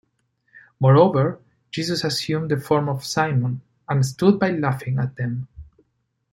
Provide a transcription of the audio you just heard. Moreover, Jesus assumed the form of Simon, and stood by laughing at them.